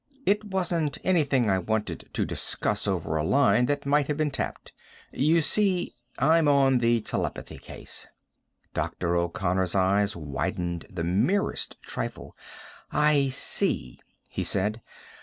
"It wasn't anything I wanted to discuss over a line that might have been tapped. You see, I'm on the telepathy case." Dr. O'Connor's eyes widened the merest trifle. "I see," he said.